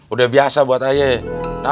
udah biasa buat ayemah